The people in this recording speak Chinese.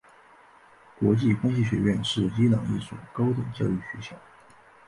国际关系学院是伊朗一所高等教育学校。